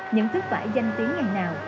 những thức vải danh tiếng ngày nào